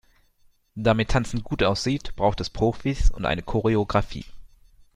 Damit Tanzen gut aussieht, braucht es Profis und eine Choreografie.